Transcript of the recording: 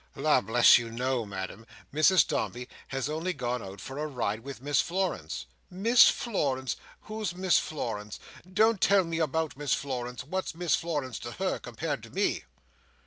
"La bless you, no, Ma'am. Mrs Dombey has only gone out for a ride with Miss Florence." "Miss Florence. Who's Miss Florence? Don't tell me about Miss Florence. What's Miss Florence to her, compared to me?"